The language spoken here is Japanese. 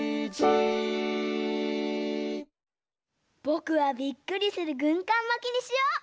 ぼくはびっくりするぐんかんまきにしよう！